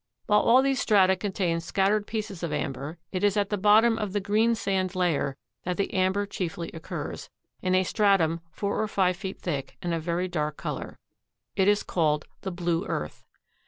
While all these strata contain scattered pieces of amber, it is at the bottom of the greensand layer that the amber chiefly occurs, in a stratum four or five feet thick and of very dark color. It is called the "blue earth."